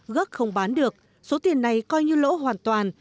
gốc không bán được số tiền này coi như lỗ hoàn toàn